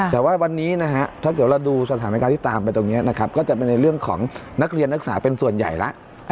แต่ว่าวันนี้นะฮะถ้าเกิดว่าดูสถานการณ์ที่ตามไปตรงนี้นะครับก็จะเป็นในเรื่องของนักเรียนนักศึกษาเป็นส่วนใหญ่แล้ว